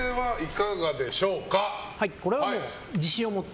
これはもう、自信を持って。